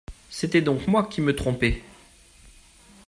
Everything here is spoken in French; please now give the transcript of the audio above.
C’était donc moi qui me trompais !